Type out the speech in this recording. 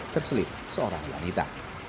terselip seorang wanita